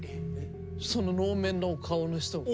その能面の顔の人が。